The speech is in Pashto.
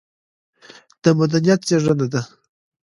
د مدنيت زېږنده دى